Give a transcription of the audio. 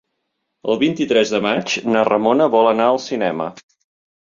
El vint-i-tres de maig na Ramona vol anar al cinema.